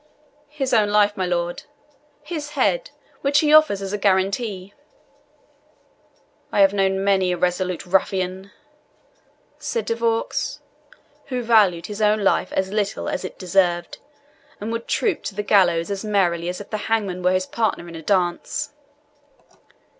"His own life, my lord his head, which he offers as a guarantee." "I have known many a resolute ruffian," said De Vaux, "who valued his own life as little as it deserved, and would troop to the gallows as merrily as if the hangman were his partner in a dance."